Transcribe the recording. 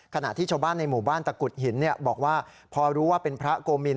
ขณะที่ชาวบ้านในหมู่บ้านตะกุดหินบอกว่าพอรู้ว่าเป็นพระโกมิน